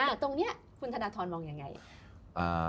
ตรงนี้คุณธนทรมองอย่างไร